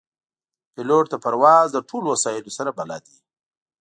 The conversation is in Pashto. پیلوټ د پرواز له ټولو وسایلو سره بلد وي.